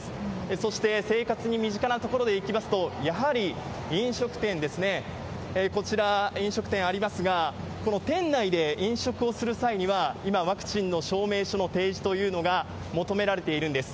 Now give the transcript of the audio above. そして、生活に身近なところでいきますと、やはり飲食店ですね、こちら、飲食店ありますが、この店内で飲食をする際には、今、ワクチンの証明書の提示というのが求められているんです。